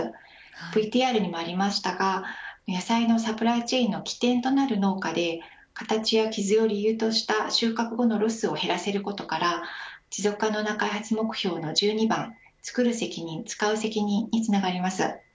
ＶＴＲにもありましたが野菜のサプライチェーンの起点となる農家で形や傷を理由とした収穫後のロスを減らせることから持続可能な開発目標の１２番つくる責任、つかう責任につながります。